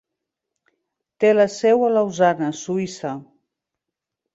Té la seu a Lausana, Suïssa.